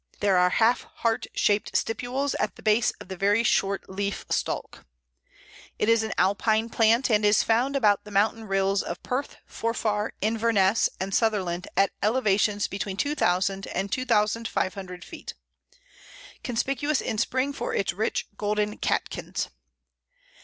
There are half heart shaped stipules at the base of the very short leaf stalk. It is an Alpine plant, and is found about the mountain rills of Perth, Forfar, Inverness, and Sutherland at elevations between 2000 and 2500 feet. Conspicuous in spring for its rich golden catkins.